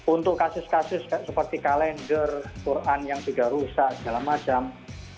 untuk kasus kasus seperti kalender quran yang juga rusak dan sebagainya